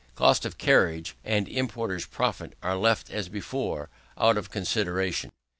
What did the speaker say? Cost of carriage and importer's profit are left as before, out of consideration.